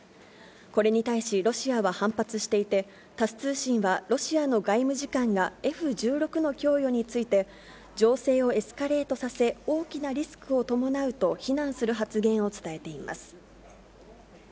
これに対しロシアは反発していて、タス通信は、ロシアの外務次官がＦ１６の供与について、情勢をエスカレートさせ、大きなリスクを伴うと非難する発言を伝えています。